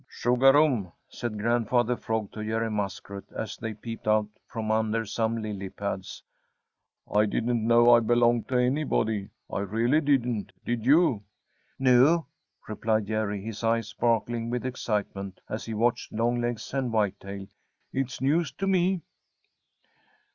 "Chugarum!" said Grandfather Frog to Jerry Muskrat, as they peeped out from under some lily pads. "I didn't know I belonged to anybody. I really didn't. Did you?" "No," replied Jerry, his eyes sparkling with excitement as he watched Longlegs and Whitetail, "it's news to me."